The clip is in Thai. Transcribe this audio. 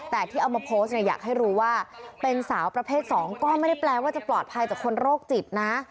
แต่ที่เอามาโพสต์เนี่ยอยากให้รู้ว่าเป็นสาวประเภทสองก็ไม่ได้แปลว่าจะปลอดภัยจากคนโรคจิตนะ